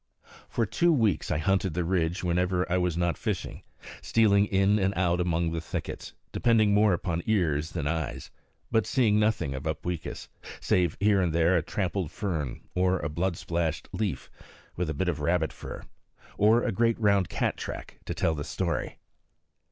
For two weeks I hunted the ridge whenever I was not fishing, stealing in and out among the thickets, depending more upon ears than eyes, but seeing nothing of Upweekis, save here and there a trampled fern, or a blood splashed leaf, with a bit of rabbit fur, or a great round cat track, to tell the story.